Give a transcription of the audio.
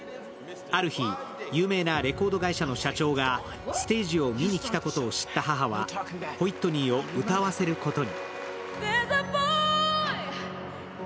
ある日、有名なレコード会社の社長がステージを見にきたことを知った母は、ホイットニーを歌わせることに。